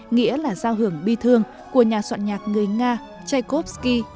nghĩa là giao hưởng bi thương của nhà soạn nhạc người nga tchaikovsky